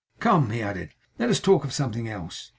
Come!' he added. 'Let us talk of something else.